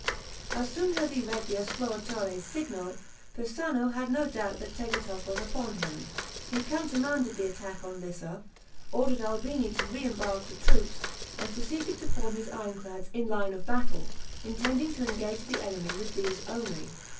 As soon as he read the "Esploratore's" signal, Persano had no doubt that Tegethoff was upon him. He countermanded the attack on Lissa, ordered Albini to re embark the troops, and proceeded to form his ironclads in line of battle, intending to engage the enemy with these only.